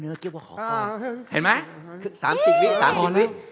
เดี๋ยวก่อน